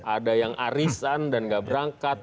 ada yang arisan dan nggak berangkat